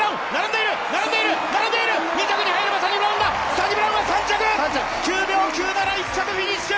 サニブラウンは３着９秒９７、１着フィッシュ！